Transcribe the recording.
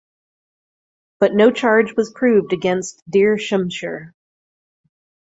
But no charge was proved against Dhir Shumsher.